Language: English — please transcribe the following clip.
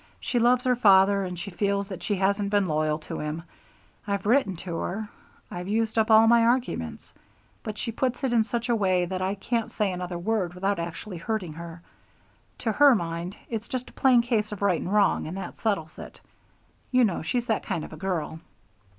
She loves her father, and she feels that she hasn't been loyal to him. I've written to her, I've used up all my arguments, but she puts it in such a way that I can't say another word without actually hurting her. To her mind it's just a plain case of right and wrong, and that settles it. You know she's that kind of a girl."